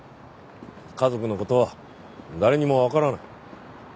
家族の事は誰にもわからない。